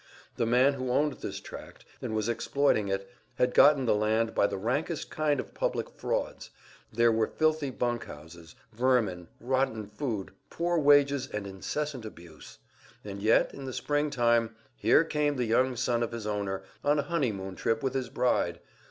The man who owned this tract, and was exploiting it, had gotten the land by the rankest kind of public frauds; there were filthy bunk houses, vermin, rotten food, poor wages and incessant abuse. And yet, in the spring time, here came the young son of this owner, on a honeymoon trip with his bride.